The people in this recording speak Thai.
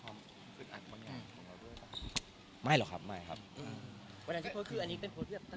มีคนที่เกิดจากความสึกอัดบางอย่างของเราด้วยครับ